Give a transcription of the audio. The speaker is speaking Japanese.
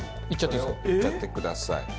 いっちゃってください。